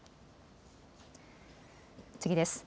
次です。